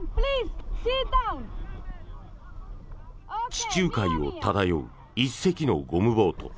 地中海を漂う１隻のゴムボート。